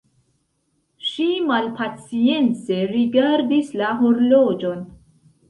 Ŝi malpacience rigardis la horloĝon.